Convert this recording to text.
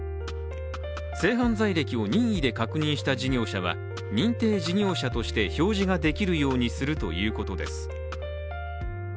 性犯罪歴を任意で確認した事業者は認定事業者として表示ができるようにするということです。